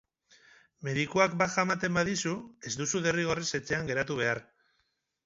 Medikuak baja ematen badizu, ez duzu derrigorrez etxean geratu behar.